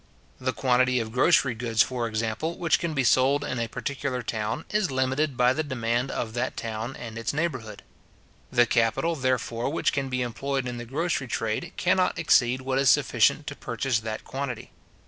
The quantity of grocery goods, for example, which can be sold in a particular town, is limited by the demand of that town and its neighbourhood. The capital, therefore, which can be employed in the grocery trade, cannot exceed what is sufficient to purchase that quantity.